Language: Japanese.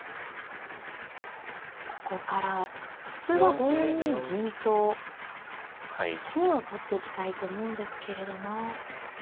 ここから普通は５二銀と金を取っていきたいと思うんですけれども。